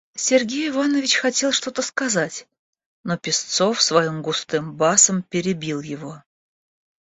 Сергей Иванович хотел что-то сказать, но Песцов своим густым басом перебил его.